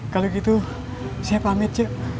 kalau gitu saya pamit cek